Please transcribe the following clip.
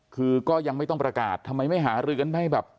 ก็ยังไม่ต้องประกาศทำไมไม่หาเลือนให้แบบ